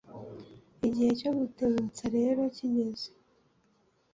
Igihe cyo gutebutsa rero kigeze